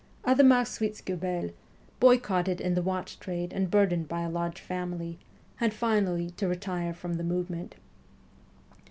Adhemar Schwitzguebel, boycotted in the watch trade and burdened by a large family, had finally to retire from the movement.